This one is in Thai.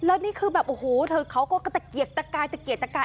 แล้วนี่คือแบบโอ้โหเธอเขาก็ตะเกียกตะกายตะเกียกตะกาย